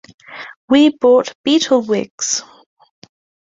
We bought Beatle wigs.